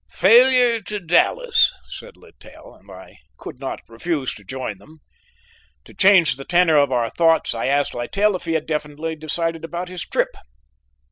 "Failure to Dallas," said Littell, and I could not refuse to join them. To change the tenor of our thoughts, I asked Littell if he had definitely decided about his trip.